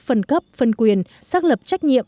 phân cấp phân quyền xác lập trách nhiệm